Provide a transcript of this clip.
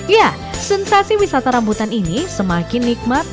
ya sensasi wisata rambutan ini semakin nikmat